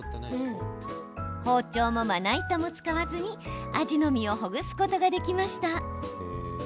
包丁もまな板も使わずにアジの身をほぐすことができました。